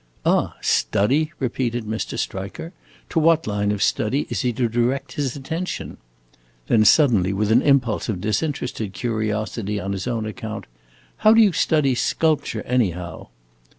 "Ah, study?" repeated Mr. Striker. "To what line of study is he to direct his attention?" Then suddenly, with an impulse of disinterested curiosity on his own account, "How do you study sculpture, anyhow?"